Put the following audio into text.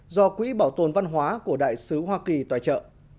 do quỹ bảo tồn văn hóa của đại sứ hoa kỳ tài trợ